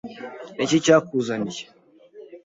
Ni iki cyakuzaniye?